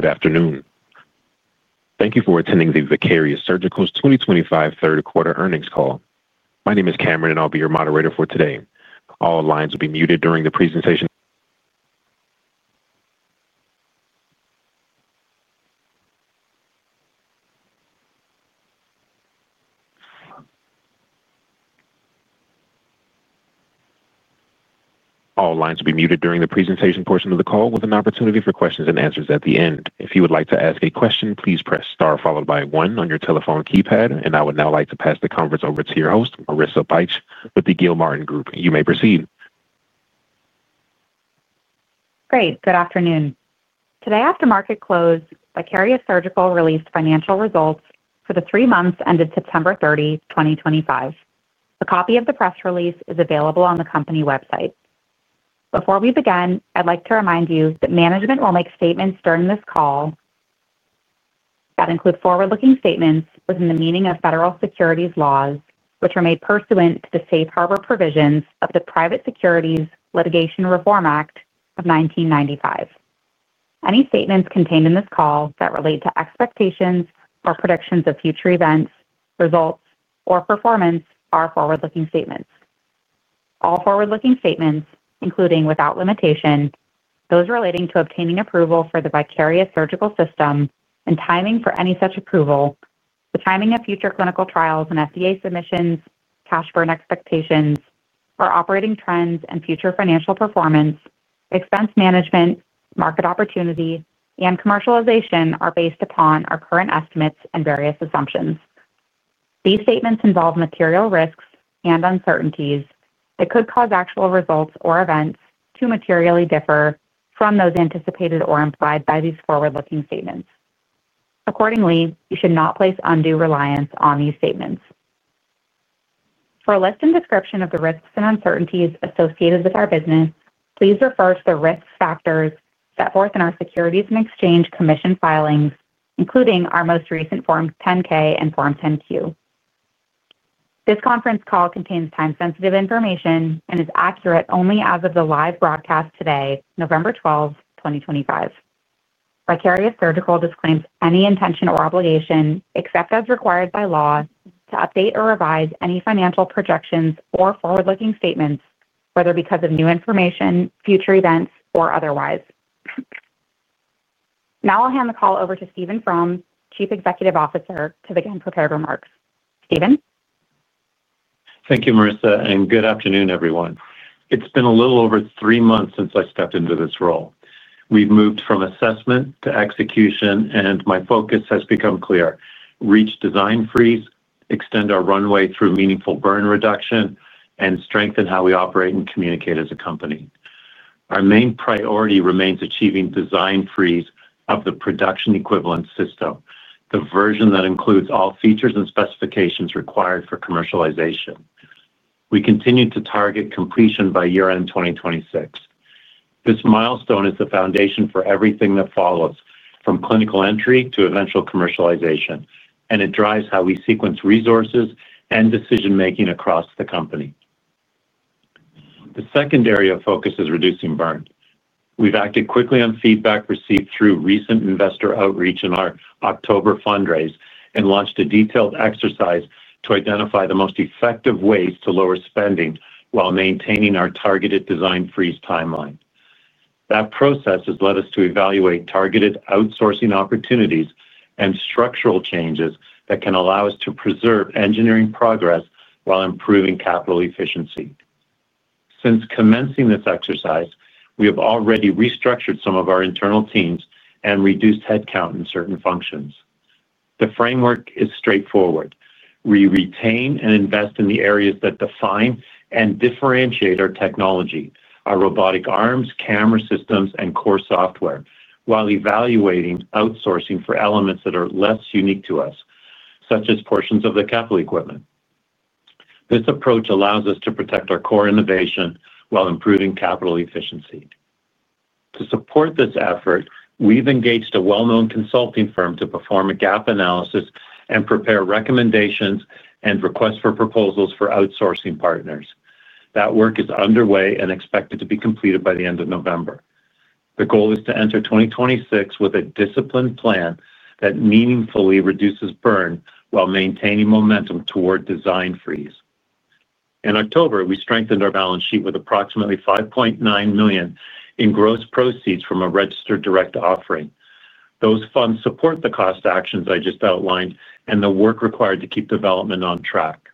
Good afternoon. Thank you for attending the Vicarious Surgical 2025 Third Quarter Earnings Call. My name is Cameron, and I'll be your moderator for today. All lines will be muted during the presentation portion of the call, with an opportunity for questions and answers at the end. If you would like to ask a question, please press star followed by one on your telephone keypad, and I would now like to pass the conference over to your host, Marissa Bych, with the Gilmartin Group. You may proceed. Great. Good afternoon. Today, after market close, Vicarious Surgical released financial results for the three months ended September 30, 2025. A copy of the press release is available on the company website. Before we begin, I'd like to remind you that management will make statements during this call that include forward-looking statements within the meaning of federal securities laws, which are made pursuant to the safe harbor provisions of the Private Securities Litigation Reform Act of 1995. Any statements contained in this call that relate to expectations or predictions of future events, results, or performance are forward-looking statements. All forward-looking statements, including without limitation, those relating to obtaining approval for the Vicarious Surgical system and timing for any such approval, the timing of future clinical trials and FDA submissions, cash burn expectations, our operating trends and future financial performance, expense management, market opportunity, and commercialization are based upon our current estimates and various assumptions. These statements involve material risks and uncertainties that could cause actual results or events to materially differ from those anticipated or implied by these forward-looking statements. Accordingly, you should not place undue reliance on these statements. For a list and description of the risks and uncertainties associated with our business, please refer to the Risk Factors set forth in our Securities and Exchange Commission filings, including our most recent Form 10-K and Form 10-Q. This conference call contains time-sensitive information and is accurate only as of the live broadcast today, November 12, 2025. Vicarious Surgical disclaims any intention or obligation, except as required by law, to update or revise any financial projections or forward-looking statements, whether because of new information, future events, or otherwise. Now I'll hand the call over to Stephen From, Chief Executive Officer, to begin prepared remarks. Stephen. Thank you, Marissa, and good afternoon, everyone. It's been a little over three months since I stepped into this role. We've moved from assessment to execution, and my focus has become clear: reach design freeze, extend our runway through meaningful burn reduction, and strengthen how we operate and communicate as a company. Our main priority remains achieving design freeze of the production equivalent system, the version that includes all features and specifications required for commercialization. We continue to target completion by year-end 2026. This milestone is the foundation for everything that follows, from clinical entry to eventual commercialization, and it drives how we sequence resources and decision-making across the company. The second area of focus is reducing burn. We've acted quickly on feedback received through recent investor outreach in our October fundraise and launched a detailed exercise to identify the most effective ways to lower spending while maintaining our targeted design freeze timeline. That process has led us to evaluate targeted outsourcing opportunities and structural changes that can allow us to preserve engineering progress while improving capital efficiency. Since commencing this exercise, we have already restructured some of our internal teams and reduced headcount in certain functions. The framework is straightforward. We retain and invest in the areas that define and differentiate our technology, our robotic arms, camera systems, and core software, while evaluating outsourcing for elements that are less unique to us, such as portions of the capital equipment. This approach allows us to protect our core innovation while improving capital efficiency. To support this effort, we've engaged a well-known consulting firm to perform a gap analysis and prepare recommendations and requests for proposals for outsourcing partners. That work is underway and expected to be completed by the end of November. The goal is to enter 2026 with a disciplined plan that meaningfully reduces burn while maintaining momentum toward design freeze. In October, we strengthened our balance sheet with approximately $5.9 million in gross proceeds from a registered direct offering. Those funds support the cost actions I just outlined and the work required to keep development on track.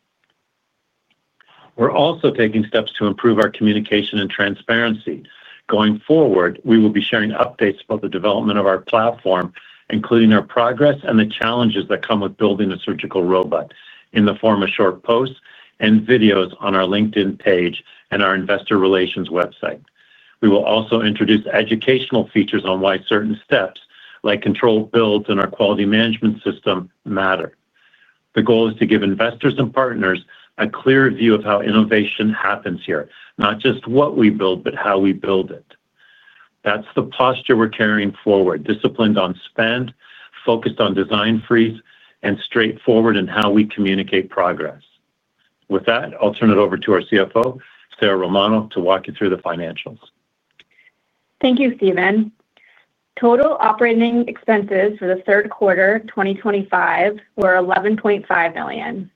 We're also taking steps to improve our communication and transparency. Going forward, we will be sharing updates about the development of our platform, including our progress and the challenges that come with building a surgical robot, in the form of short posts and videos on our LinkedIn page and our Investor Relations website. We will also introduce educational features on why certain steps, like controlled builds in our Quality Management System, matter. The goal is to give investors and partners a clear view of how innovation happens here, not just what we build, but how we build it. That is the posture we are carrying forward: disciplined on spend, focused on design freeze, and straightforward in how we communicate progress. With that, I'll turn it over to our CFO, Sarah Romano, to walk you through the financials. Thank you, Stephen. Total operating expenses for the third quarter 2025 were $11.5 million,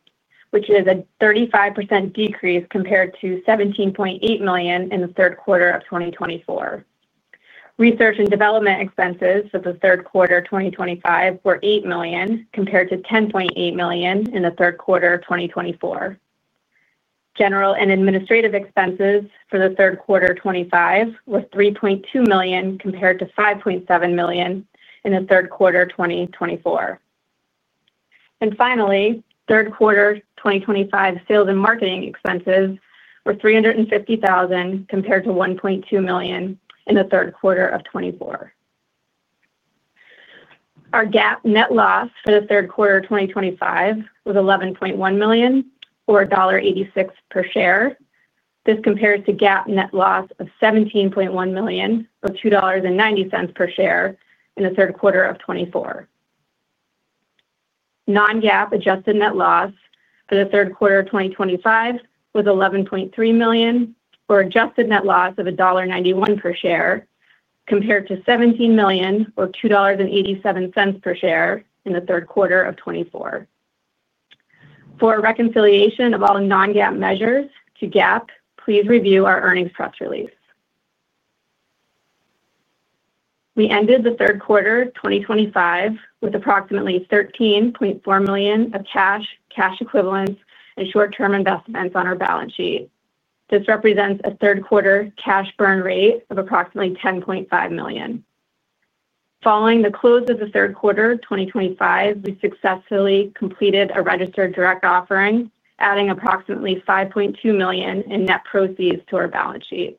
which is a 35% decrease compared to $17.8 million in the third quarter of 2024. Research and development expenses for the third quarter 2025 were $8 million, compared to $10.8 million in the third quarter 2024. General and administrative expenses for the third quarter 2025 were $3.2 million, compared to $5.7 million in the third quarter 2024. Finally, third quarter 2025 sales and marketing expenses were $350,000, compared to $1.2 million in the third quarter of 2024. Our GAAP net loss for the third quarter 2025 was $11.1 million, or $1.86 per share. This compares to GAAP net loss of $17.1 million, or $2.90 per share in the third quarter of 2024. Non-GAAP adjusted net loss for the third quarter of 2025 was $11.3 million, or adjusted net loss of $1.91 per share, compared to $17 million, or $2.87 per share in the third quarter of 2024. For reconciliation of all non-GAAP measures to GAAP, please review our earnings press release. We ended the third quarter 2025 with approximately $13.4 million of cash, cash equivalents, and short-term investments on our balance sheet. This represents a third quarter cash burn rate of approximately $10.5 million. Following the close of the third quarter 2025, we successfully completed a registered direct offering, adding approximately $5.2 million in net proceeds to our balance sheet.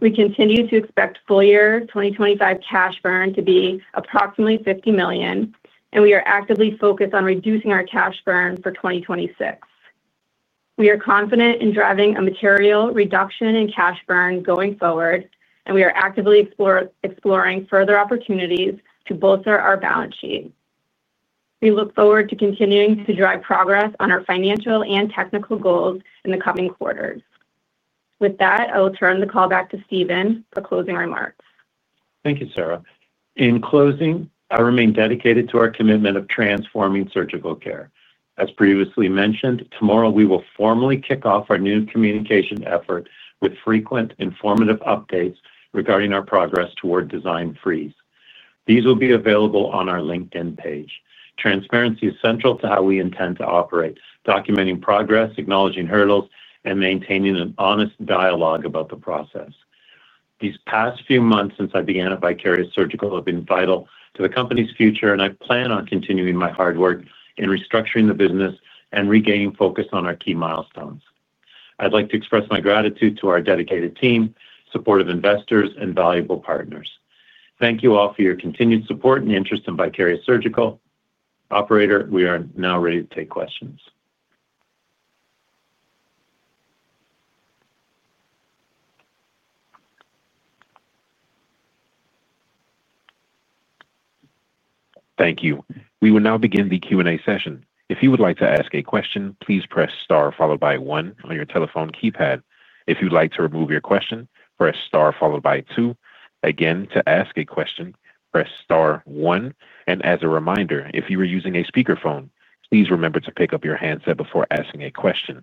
We continue to expect full year 2025 cash burn to be approximately $50 million, and we are actively focused on reducing our cash burn for 2026. We are confident in driving a material reduction in cash burn going forward, and we are actively exploring further opportunities to bolster our balance sheet. We look forward to continuing to drive progress on our financial and technical goals in the coming quarters. With that, I will turn the call back to Stephen for closing remarks. Thank you, Sarah. In closing, I remain dedicated to our commitment of transforming surgical care. As previously mentioned, tomorrow we will formally kick off our new communication effort with frequent informative updates regarding our progress toward design freeze. These will be available on our LinkedIn page. Transparency is central to how we intend to operate, documenting progress, acknowledging hurdles, and maintaining an honest dialogue about the process. These past few months since I began at Vicarious Surgical have been vital to the company's future, and I plan on continuing my hard work in restructuring the business and regaining focus on our key milestones. I'd like to express my gratitude to our dedicated team, supportive investors, and valuable partners. Thank you all for your continued support and interest in Vicarious Surgical. Operator, we are now ready to take questions. Thank you. We will now begin the Q&A session. If you would like to ask a question, please press star followed by one on your telephone keypad. If you'd like to remove your question, press star followed by two. Again, to ask a question, press star one. As a reminder, if you are using a speakerphone, please remember to pick up your handset before asking a question.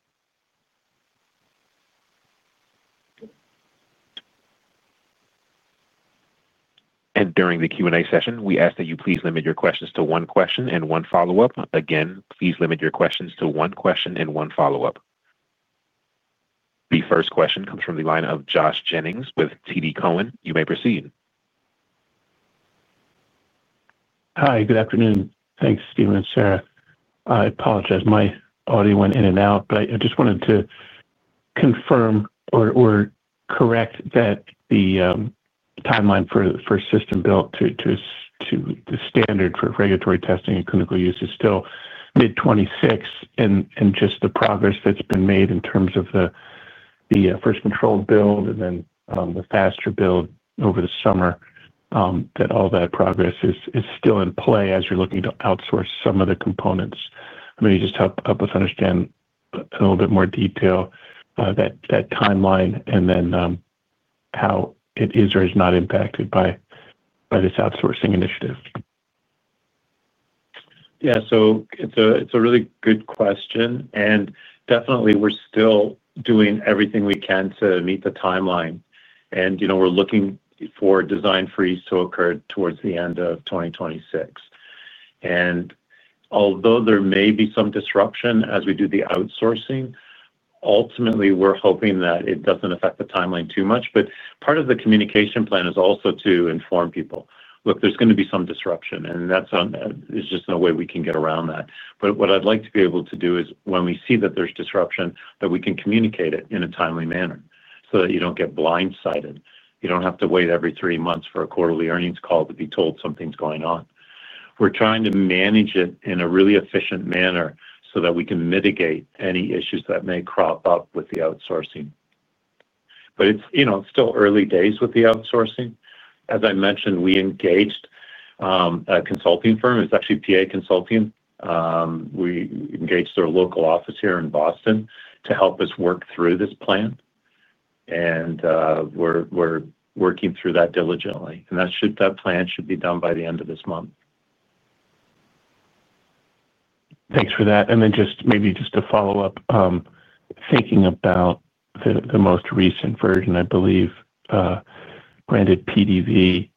During the Q&A session, we ask that you please limit your questions to one question and one follow-up. Again, please limit your questions to one question and one follow-up. The first question comes from the line of Josh Jennings with TD Cowen. You may proceed. Hi, good afternoon. Thanks, Stephen and Sarah. I apologize. My audio went in and out, but I just wanted to confirm or correct that the timeline for system built to standard for regulatory testing and clinical use is still mid-2026, and just the progress that's been made in terms of the first controlled build and then the faster build over the summer, that all that progress is still in play as you're looking to outsource some of the components. I mean, can you just help us understand a little bit more detail that timeline and then how it is or is not impacted by this outsourcing initiative? Yeah, so it's a really good question. Definitely, we're still doing everything we can to meet the timeline. We're looking for design freeze to occur towards the end of 2026. Although there may be some disruption as we do the outsourcing, ultimately, we're hoping that it doesn't affect the timeline too much. Part of the communication plan is also to inform people, "Look, there's going to be some disruption," and that's just no way we can get around that. What I'd like to be able to do is when we see that there's disruption, that we can communicate it in a timely manner so that you don't get blindsided. You don't have to wait every three months for a quarterly earnings call to be told something's going on. We're trying to manage it in a really efficient manner so that we can mitigate any issues that may crop up with the outsourcing. It is still early days with the outsourcing. As I mentioned, we engaged a consulting firm. It is actually PA Consulting. We engaged their local office here in Boston to help us work through this plan. We are working through that diligently. That plan should be done by the end of this month. Thanks for that. Maybe just to follow up, thinking about the most recent version, I believe, branded PDV,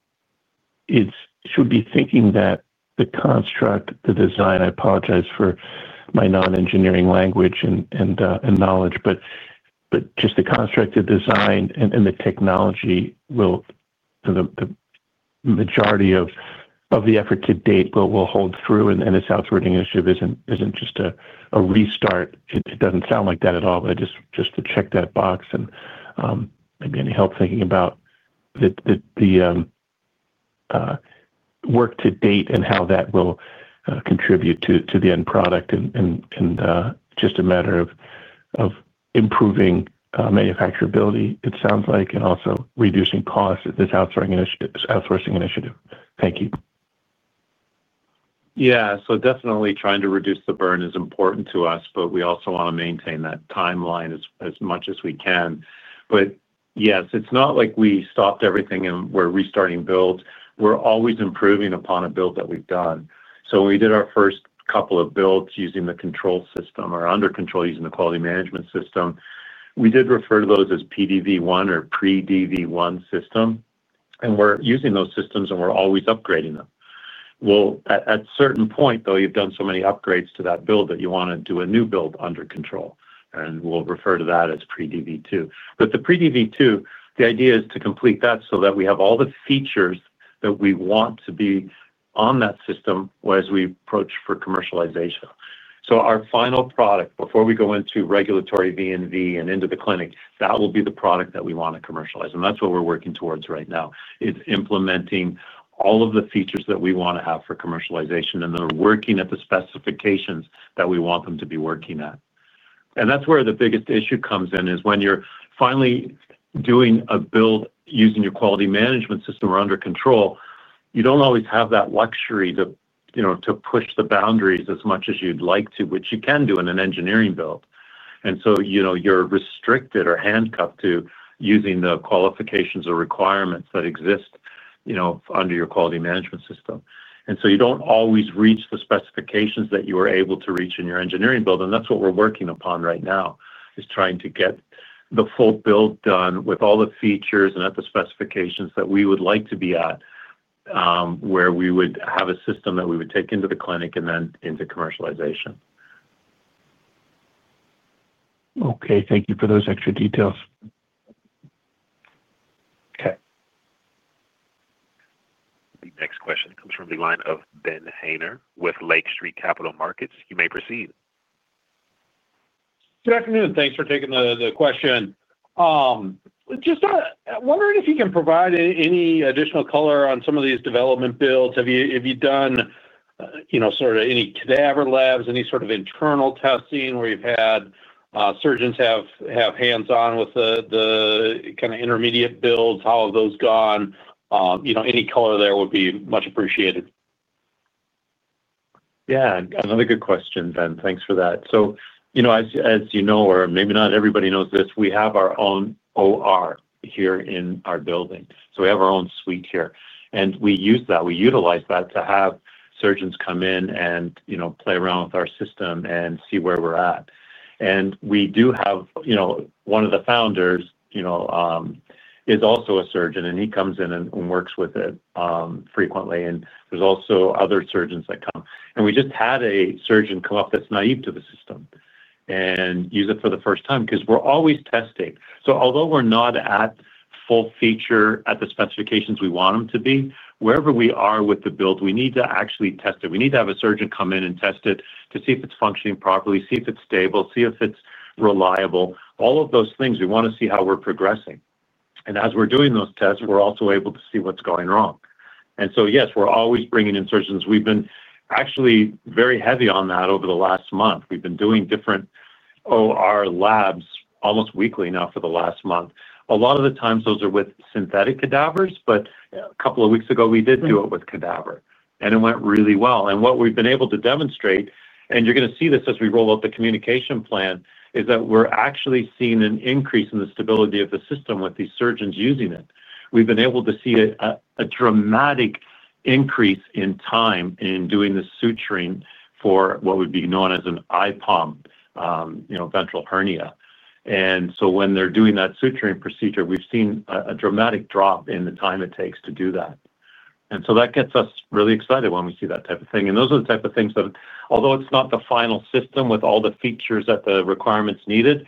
should I be thinking that the construct, the design—I apologize for my non-engineering language and knowledge—but just the construct, the design, and the technology, the majority of the effort to date will hold through. This outsourcing initiative is not just a restart. It does not sound like that at all, but just to check that box and maybe any help thinking about the work to date and how that will contribute to the end product. It is just a matter of improving manufacturability, it sounds like, and also reducing costs at this outsourcing initiative. Thank you. Yeah. Definitely trying to reduce the burn is important to us, but we also want to maintain that timeline as much as we can. Yes, it's not like we stopped everything and we're restarting builds. We're always improving upon a build that we've done. When we did our first couple of builds using the control system or under control using the Quality Management System, we did refer to those as pre-DV1 system. We're using those systems, and we're always upgrading them. At a certain point, though, you've done so many upgrades to that build that you want to do a new build under control. We'll refer to that as pre-DV2. The pre-DV2, the idea is to complete that so that we have all the features that we want to be on that system as we approach for commercialization. Our final product, before we go into regulatory V&V and into the clinic, that will be the product that we want to commercialize. That's what we're working towards right now. It's implementing all of the features that we want to have for commercialization, and then we're working at the specifications that we want them to be working at. That's where the biggest issue comes in, is when you're finally doing a build using your Quality Management System or under control, you don't always have that luxury to push the boundaries as much as you'd like to, which you can do in an engineering build. You're restricted or handcuffed to using the qualifications or requirements that exist under your Quality Management system. You don't always reach the specifications that you were able to reach in your engineering build. That is what we are working upon right now, is trying to get the full build done with all the features and at the specifications that we would like to be at, where we would have a system that we would take into the clinic and then into commercialization. Okay. Thank you for those extra details. Okay. The next question comes from the line of Ben Haner with Lake Street Capital Markets. You may proceed. Good afternoon. Thanks for taking the question. Just wondering if you can provide any additional color on some of these development builds. Have you done sort of any cadaver labs, any sort of internal testing where you've had surgeons have hands-on with the kind of intermediate builds? How have those gone? Any color there would be much appreciated. Yeah. Another good question, Ben. Thanks for that. As you know, or maybe not everybody knows this, we have our own OR here in our building. We have our own suite here. We use that. We utilize that to have surgeons come in and play around with our system and see where we're at. We do have one of the founders who is also a surgeon, and he comes in and works with it frequently. There are also other surgeons that come. We just had a surgeon come up that's naive to the system and use it for the first time because we're always testing. Although we're not at full feature at the specifications we want them to be, wherever we are with the build, we need to actually test it. We need to have a surgeon come in and test it to see if it's functioning properly, see if it's stable, see if it's reliable. All of those things, we want to see how we're progressing. As we're doing those tests, we're also able to see what's going wrong. Yes, we're always bringing in surgeons. We've been actually very heavy on that over the last month. We've been doing different OR labs almost weekly now for the last month. A lot of the times, those are with synthetic cadavers, but a couple of weeks ago, we did do it with cadaver. It went really well. What we've been able to demonstrate, and you're going to see this as we roll out the communication plan, is that we're actually seeing an increase in the stability of the system with these surgeons using it. We've been able to see a dramatic increase in time in doing the suturing for what would be known as an IPOM, ventral hernia. When they're doing that suturing procedure, we've seen a dramatic drop in the time it takes to do that. That gets us really excited when we see that type of thing. Those are the type of things that, although it's not the final system with all the features that the requirements needed,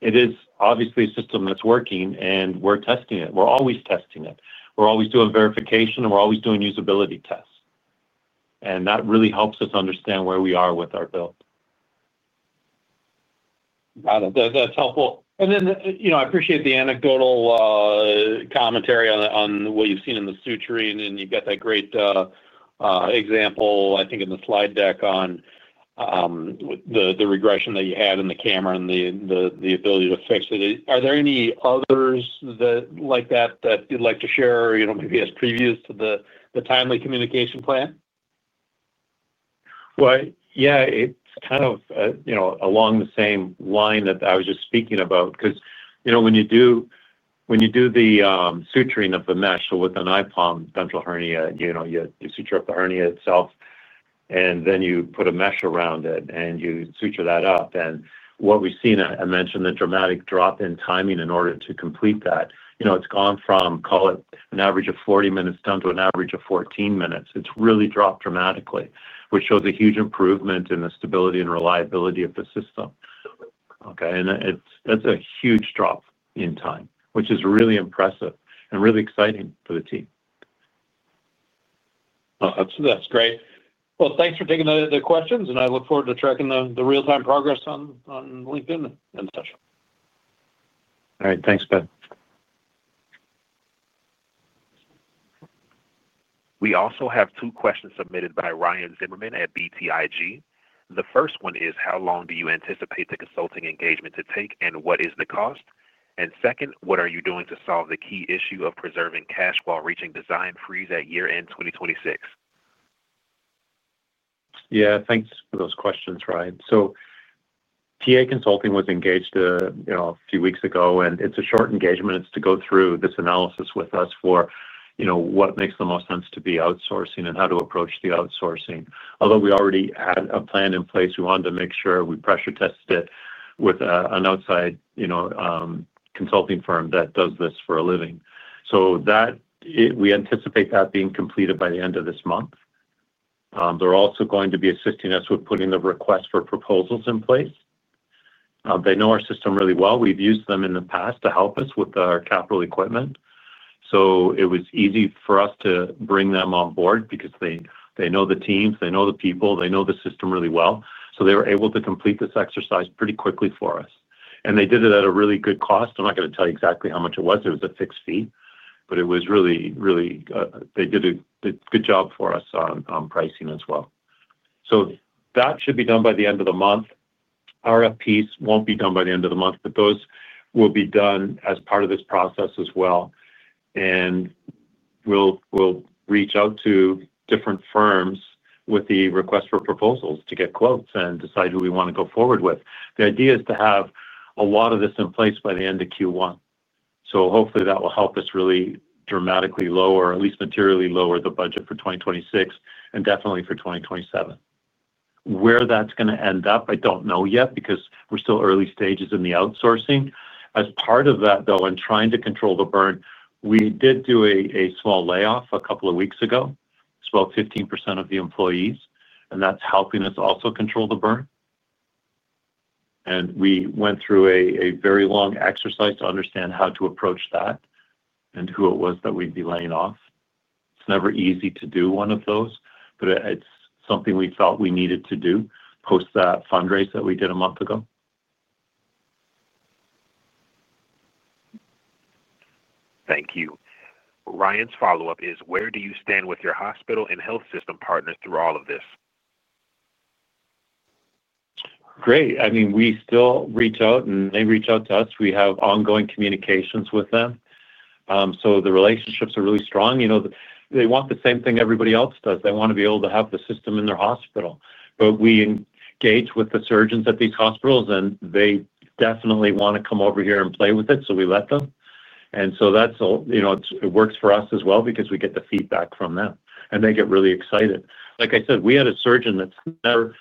it is obviously a system that's working, and we're testing it. We're always testing it. We're always doing verification, and we're always doing usability tests. That really helps us understand where we are with our build. Got it. That's helpful. I appreciate the anecdotal commentary on what you've seen in the suturing, and you've got that great example, I think, in the slide deck on the regression that you had in the camera and the ability to fix it. Are there any others like that that you'd like to share or maybe as previous to the timely communication plan? Yeah, it's kind of along the same line that I was just speaking about because when you do the suturing of the mesh with an IPOM ventral hernia, you suture up the hernia itself, and then you put a mesh around it, and you suture that up. What we've seen, I mentioned the dramatic drop in timing in order to complete that. It's gone from, call it an average of 40 minutes down to an average of 14 minutes. It's really dropped dramatically, which shows a huge improvement in the stability and reliability of the system. That's a huge drop in time, which is really impressive and really exciting for the team. That's great. Thanks for taking the questions, and I look forward to tracking the real-time progress on LinkedIn and such. All right. Thanks, Ben. We also have two questions submitted by Ryan Zimmerman at BTIG. The first one is, how long do you anticipate the consulting engagement to take, and what is the cost? The second, what are you doing to solve the key issue of preserving cash while reaching design freeze at year-end 2026? Yeah. Thanks for those questions, Ryan. PA Consulting was engaged a few weeks ago, and it's a short engagement. It's to go through this analysis with us for what makes the most sense to be outsourcing and how to approach the outsourcing. Although we already had a plan in place, we wanted to make sure we pressure-tested it with an outside consulting firm that does this for a living. We anticipate that being completed by the end of this month. They're also going to be assisting us with putting the request for proposals in place. They know our system really well. We've used them in the past to help us with our capital equipment. It was easy for us to bring them on board because they know the teams, they know the people, they know the system really well. They were able to complete this exercise pretty quickly for us. They did it at a really good cost. I'm not going to tell you exactly how much it was. It was a fixed fee, but it was really, really, they did a good job for us on pricing as well. That should be done by the end of the month. Our piece won't be done by the end of the month, but those will be done as part of this process as well. We'll reach out to different firms with the request for proposals to get quotes and decide who we want to go forward with. The idea is to have a lot of this in place by the end of Q1. Hopefully, that will help us really dramatically lower, at least materially lower, the budget for 2026 and definitely for 2027. Where that's going to end up, I don't know yet because we're still early stages in the outsourcing. As part of that, though, in trying to control the burn, we did do a small layoff a couple of weeks ago, spoke 15% of the employees, and that's helping us also control the burn. We went through a very long exercise to understand how to approach that and who it was that we'd be laying off. It's never easy to do one of those, but it's something we felt we needed to do post that fundraise that we did a month ago. Thank you. Ryan's follow-up is, where do you stand with your hospital and health system partners through all of this? Great. I mean, we still reach out, and they reach out to us. We have ongoing communications with them. The relationships are really strong. They want the same thing everybody else does. They want to be able to have the system in their hospital. We engage with the surgeons at these hospitals, and they definitely want to come over here and play with it, so we let them. It works for us as well because we get the feedback from them, and they get really excited. Like I said, we had a surgeon that's never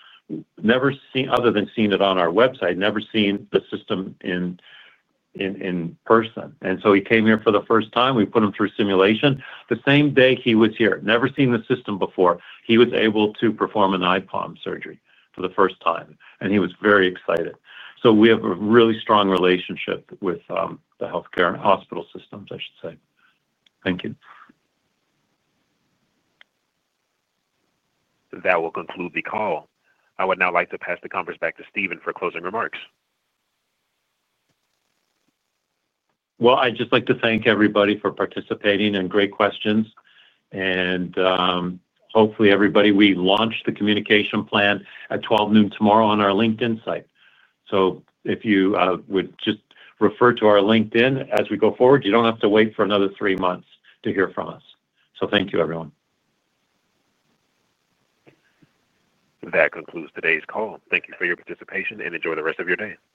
seen, other than seeing it on our website, never seen the system in person. He came here for the first time. We put him through simulation. The same day he was here, never seen the system before, he was able to perform an IPOM surgery for the first time, and he was very excited. We have a really strong relationship with the healthcare and hospital systems, I should say. Thank you. That will conclude the call. I would now like to pass the conference back to Stephen for closing remarks. I would just like to thank everybody for participating and great questions. Hopefully, everybody, we launch the communication plan at 12:00 P.M. tomorrow on our LinkedIn site. If you would just refer to our LinkedIn as we go forward, you do not have to wait for another three months to hear from us. Thank you, everyone. That concludes today's call. Thank you for your participation, and enjoy the rest of your day.